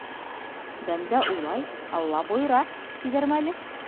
Бәндә уйлай, Алла бойора, тиҙәрме әле?